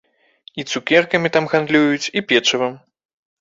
І цукеркамі там гандлююць, і печывам.